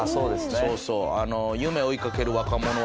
そうそう。